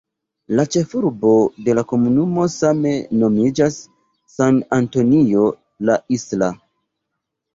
La ĉefurbo de la komunumo same nomiĝas "San Antonio la Isla".